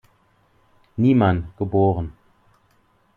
Niemann, geboren.